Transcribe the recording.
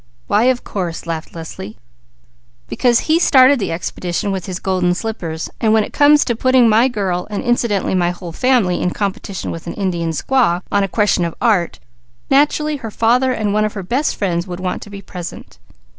"Why, 'of course,'" laughed Leslie. "Because he started the expedition with his golden slippers. When it come to putting my girl, and incidentally my whole family, in competition with an Indian squaw on a question of art, naturally, her father and one of her best friends would want to be present."